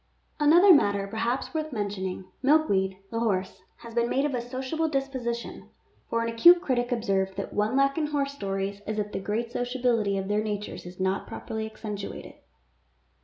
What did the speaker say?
Another matter perhaps worth mentioning — Milkweed, the horse, has been made of a sociable disposition, for an acute critic observed that one lack in horse stories is that the great sociability of their natures is not properly accentuated.